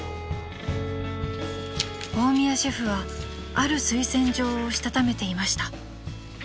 ［大宮シェフはある推薦状をしたためていました］